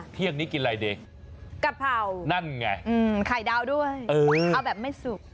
เที่ยงนี้กินอะไรเด๊ะนั่นไงกะเพราไข่ดาวด้วยเออเอาแบบไม่สุก